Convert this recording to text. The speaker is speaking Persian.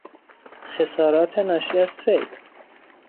خسارات ناشی از سیل